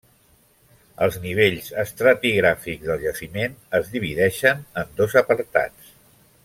Els nivells estratigràfics del jaciment es divideixen en dos apartats.